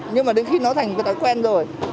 nhưng mà đến khi nó thành thói quen rồi